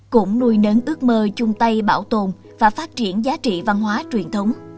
cũng nuôi nấn ước mơ chung tay bảo tồn và phát triển giá trị văn hóa truyền thống